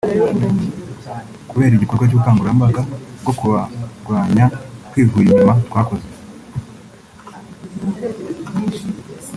kubera igikorwa cy’ubukangurambaga bwo kubarwanya twivuye inyuma twakoze